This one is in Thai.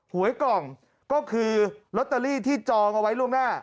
หวยกล่องก็คือลอตเตอรี่ที่จองเอาไว้ล่วงหน้า